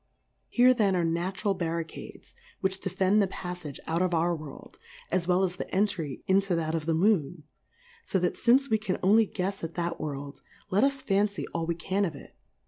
Here then are natural Barri cades, which defend the Paffage out of our World, as well as the Entry into that of the Moon ; fo thatfince wecaa only guefs at that World, let us fancy all we can of it.